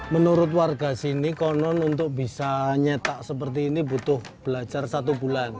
menurut warga sini konon untuk bisa nyetak seperti ini butuh belajar satu bulan